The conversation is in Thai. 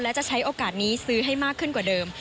และจะใช้โอกาสนี้ซื้อให้มากขึ้นกว่าเดิม